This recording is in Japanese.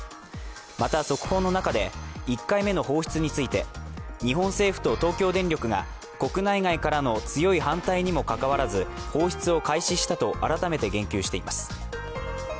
また、速報の中で１回目の放出について日本政府と東京電力が国内外からの強い反対にもかかわらず放出を開始したと改めて言及しています。